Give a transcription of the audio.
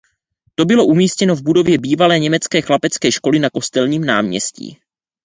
To bylo umístěno v budově bývalé německé chlapecké školy na Kostelním náměstí.